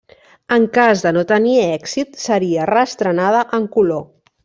En cas de no tenir èxit, seria reestrenada en color.